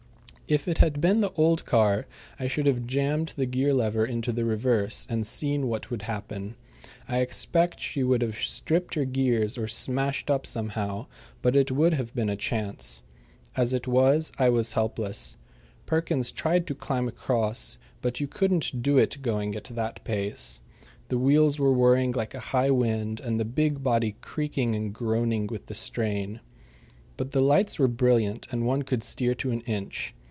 If it had been the old car I should have jammed the gear lever into the reverse, and seen what would happen. I expect she would have stripped her gears or smashed up somehow, but it would have been a chance. As it was, I was helpless. Perkins tried to climb across, but you couldn't do it going at that pace. The wheels were whirring like a high wind and the big body creaking and groaning with the strain. But the lights were brilliant, and one could steer to an inch.